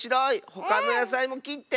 ほかのやさいもきって。